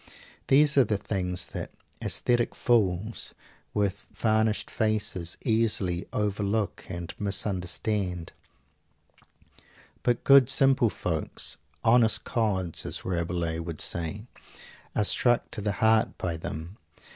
These are the things that aesthetic fools "with varnished faces" easily overlook and misunderstand; but good simple fellows "honest cods" as Rabelais would say are struck to the heart by them.